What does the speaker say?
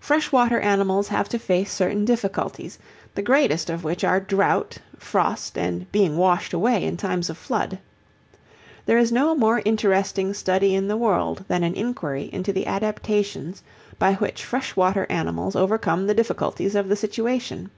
Freshwater animals have to face certain difficulties, the greatest of which are drought, frost, and being washed away in times of flood. There is no more interesting study in the world than an inquiry into the adaptations by which freshwater animals overcome the difficulties of the situation.